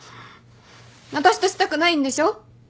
あたしとしたくないんでしょ？